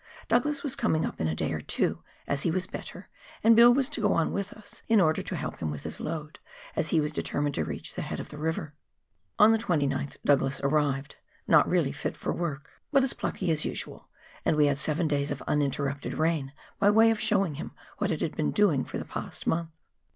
Douglas was coming up in a day or two as he was better, and Bill was to go on with us in order to help him with his load, as he was determined to reach the head of the river. Ou the 29th, Douglas arrived, not yet really fit for work, KAKANGARUA RIVEE. 201 but as plucky as usual, and we had seven days of uninterrupted rain by way of showing him what it had been doing for the past month